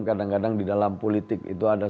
kadang kadang di dalam politik itu ada